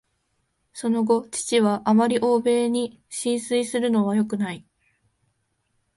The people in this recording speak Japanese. その後、父は「あまり欧米に心酔するのはよくない」